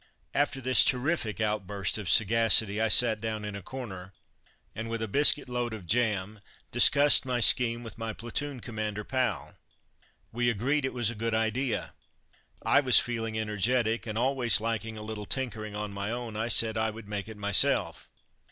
After this terrific outburst of sagacity I sat down in a corner and, with a biscuitload of jam, discussed my scheme with my platoon commander pal. We agreed it was a good idea. I was feeling energetic, and always liking a little tinkering on my own, I said I would make it myself.